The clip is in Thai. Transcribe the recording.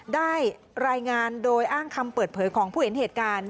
ได้รายงานโดยอ้างคำเปิดเผยของผู้เห็นเหตุการณ์